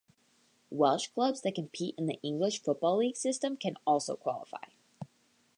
Welsh clubs that compete in the English football league system can also qualify.